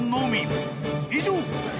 ［以上！］